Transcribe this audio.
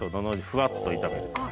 ふわっと炒める。